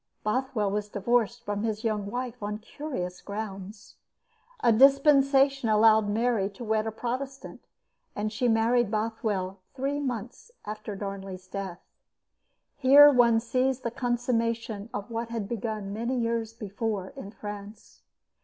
Bothwell was divorced from his young wife on curious grounds. A dispensation allowed Mary to wed a Protestant, and she married Bothwell three months after Darnley's death. Here one sees the consummation of what had begun many years before in France.